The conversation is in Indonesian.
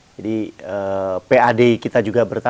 jadi pad kita juga berkurang